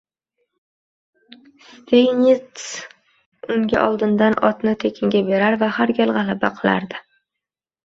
Steynits unga oldindan otni tekinga berar va har gal g‘alaba qilardi